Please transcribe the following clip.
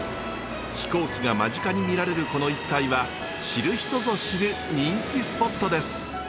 飛行機が間近に見られるこの一帯は知る人ぞ知る人気スポットです。